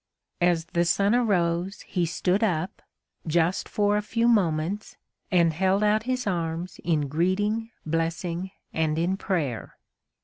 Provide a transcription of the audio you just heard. As the sun arose he stood up, just for a few moments, and held out his arms in greeting, blessing and in prayer.